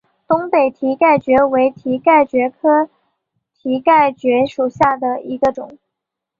东北蹄盖蕨为蹄盖蕨科蹄盖蕨属下的一个种。